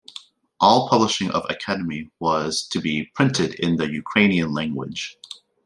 All publishing of academy was to be printed in the Ukrainian language.